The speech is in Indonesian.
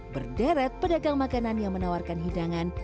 berderet pedagang makanan yang menawarkan hidangan